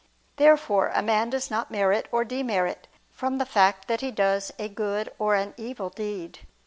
Therefore a man does not merit or demerit, from the fact that he does a good or an evil deed.